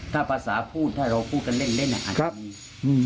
ถ้าภาษาพูดถ้าเราพูดกันเล่นอาจจะมี